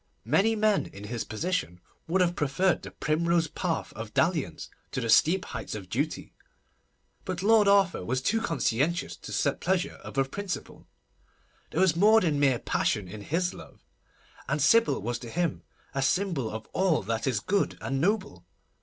Many men in his position would have preferred the primrose path of dalliance to the steep heights of duty; but Lord Arthur was too conscientious to set pleasure above principle. There was more than mere passion in his love; and Sybil was to him a symbol of all that is good and noble.